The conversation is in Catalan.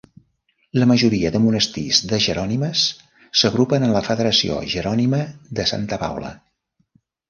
La majoria de monestirs de jerònimes s'agrupen en la Federació Jerònima de Santa Paula.